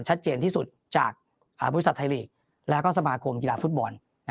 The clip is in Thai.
ชัดเจนที่สุดจากบริษัทไทยลีกและก็สมาคมกีฬาฟุตบอล